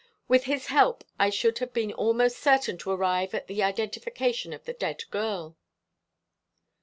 With his help I should have been almost certain to arrive at the identification of the dead girl."